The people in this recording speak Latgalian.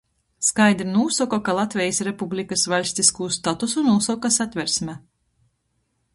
Skaidri nūsoka, ka Latvejis Republikys vaļstiskū statusu nūsoka Satversme.